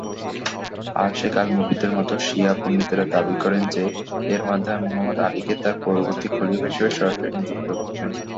আল-শেখ আল-মুফীদের মতো শিয়া পণ্ডিতেরা দাবি করেন যে, এর মাধ্যমে মুহম্মদ আলীকে তাঁর পরবর্তী খলিফা হিসেবে সরাসরি নিযুক্ত করতেন।